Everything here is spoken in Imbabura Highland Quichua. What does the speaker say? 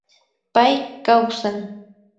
Pay kawsan